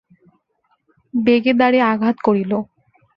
বেগে দ্বারে আঘাত করিল।